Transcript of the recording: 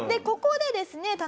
ここでですね